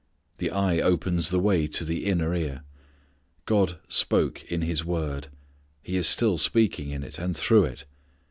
The eye opens the way to the inner ear. God spoke in His word. He is still speaking in it and through it.